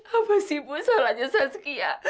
apa sih bu salahnya saskia